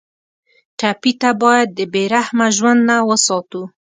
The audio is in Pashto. ټپي ته باید د بې رحمه ژوند نه وساتو.